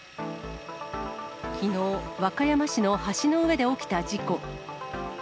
きのう、和歌山市の橋の上で起きた事故。